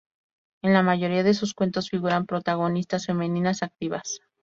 En la mayoría de sus cuentos figuran protagonistas femeninas activas.